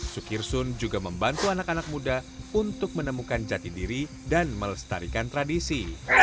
sukirsun juga membantu anak anak muda untuk menemukan jati diri dan melestarikan tradisi